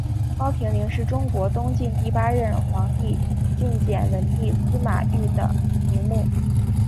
高平陵是中国东晋第八任皇帝晋简文帝司马昱的陵墓。